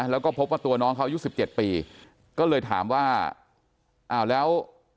แล้วก็พบว่าตัวน้องเขาอายุ๑๗ปีก็เลยถามว่าอ้าวแล้ว